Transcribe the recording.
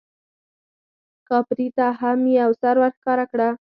کاپري ته هم یو سر ورښکاره کړه.